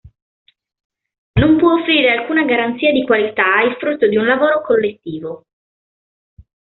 Non può offrire alcuna garanzia di qualità il frutto di un lavoro collettivo.